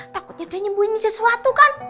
takutnya dia nyembuhin sesuatu kan